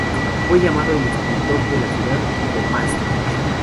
Fue llamado "el escultor de la ciudad de Maastricht".